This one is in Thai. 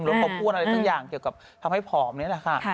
แล้วเขาพูดอะไรสักอย่างเกี่ยวกับทำให้ผอมนี่แหละค่ะ